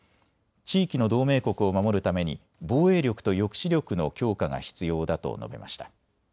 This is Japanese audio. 地域の同盟国を守るために防衛力と抑止力の強化が必要だと述べました。